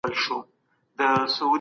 د اسانتیاوو رامنځته کول مهم دي.